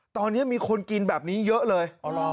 ตอนนี้มีคนกินแบบนี้เยอะเลย